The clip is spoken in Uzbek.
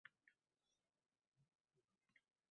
Bu ketishda muhabbat gadosi bo`lib o`taverasiz